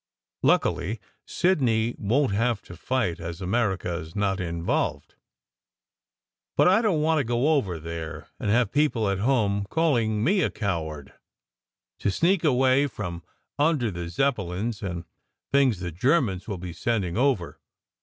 Luckily, Sidney won t have to fight, as America s not involved. But I don t want to go over there and have people at home calling me a coivard, to SECRET HISTORY 213 sneak away from under the Zeppelins and things the Ger mans will be sending over.